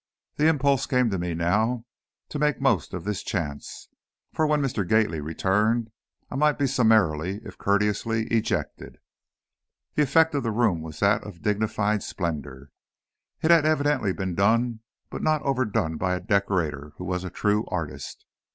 The impulse came to me now to make the most of this chance, for when Mr. Gately returned I might be summarily, if courteously, ejected. The effect of the room was that of dignified splendor. It had evidently been done but not overdone by a decorator who was a true artist.